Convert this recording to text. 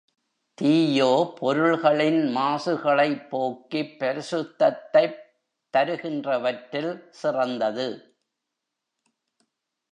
தீயோ பொருள்களின் மாசுகளைப் போக்கிப் பரிசுத்தத்தைப் தருகின்றவற்றில் சிறந்தது.